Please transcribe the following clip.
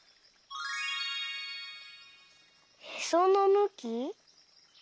「へそのむき」？